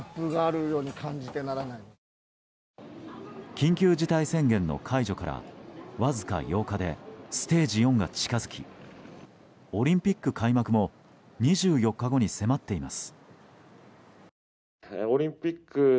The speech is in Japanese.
緊急事態宣言の解除からわずか８日でステージ４が近づきオリンピック開幕も２４日後に迫っています。